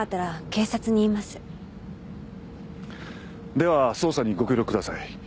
では捜査にご協力ください。